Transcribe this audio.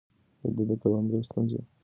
ده د کروندګرو ستونزې له نږدې ليدلې.